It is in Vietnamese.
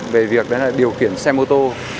về việc điều kiển xe mô tô